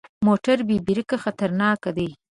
موټر بې بریکه خطرناک دی.